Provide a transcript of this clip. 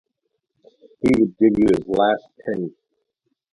He would give you his last penny.